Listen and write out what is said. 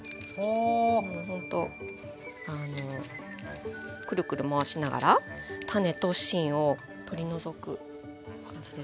ほんとくるくる回しながら種と芯を取り除く感じです。